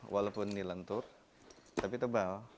walaupun ini lentur tapi tebal